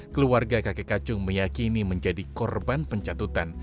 keluarga kakek kacung meyakini menjadi korban pencatutan